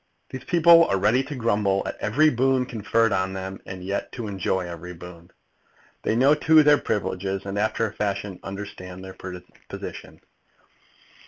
These people are ready to grumble at every boon conferred on them, and yet to enjoy every boon. They know, too, their privileges, and, after a fashion, understand their position.